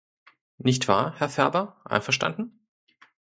Nicht wahr, Herr Ferber, einverstanden?